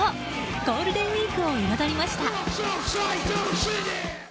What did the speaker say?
ゴールデンウィークを彩りました。